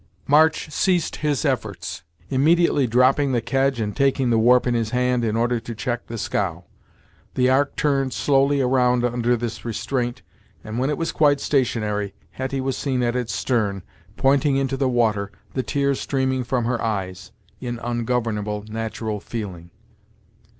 March ceased his efforts, immediately dropping the kedge and taking the warp in his hand in order to check the scow. The Ark turned slowly round under this restraint, and when it was quite stationary, Hetty was seen at its stern, pointing into the water, the tears streaming from her eyes, in ungovernable natural feeling.